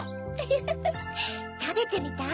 フフフたべてみたい？